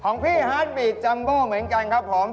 ของพี่ฮาร์ดบีดจัมโบเหมือนกันครับผม